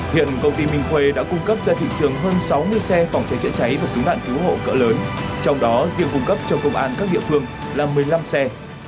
hiện công ty minh khuê đã cung cấp ra thị trường hơn sáu mươi xe phòng cháy chữa cháy và cứu nạn cứu hộ cỡ lớn trong đó riêng cung cấp cho công an các địa phương là một mươi năm xe